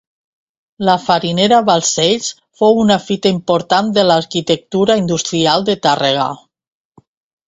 La farinera Balcells fou una fita important de l'arquitectura industrial de Tàrrega.